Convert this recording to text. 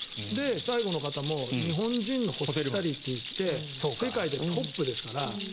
最後の方も日本人のホスピタリティーって世界でトップですから。